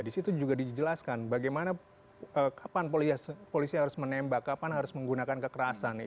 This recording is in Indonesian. di situ juga dijelaskan bagaimana kapan polisi harus menembak kapan harus menggunakan kekerasan